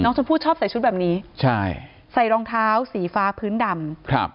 ชมพู่ชอบใส่ชุดแบบนี้ใช่ใส่รองเท้าสีฟ้าพื้นดำครับ